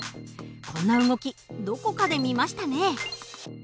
こんな動きどこかで見ましたね。